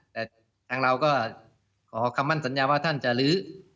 แต่ทางเราก็ขอคำมั่นสัญญาว่าท่านจะลื้อ